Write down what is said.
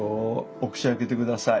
お口開けて下さい。